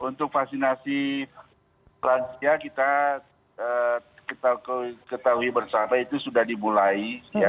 untuk vaksinasi lansia kita ketahui bersama itu sudah dimulai